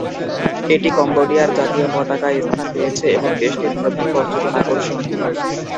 এটি কম্বোডিয়ার জাতীয় পতাকায় স্থান পেয়েছে, এবং দেশটির প্রধান পর্যটন আকর্ষণ।